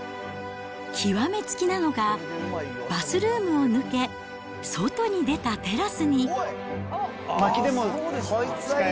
極めつきなのがバスルームを抜け、外に出たテラスに。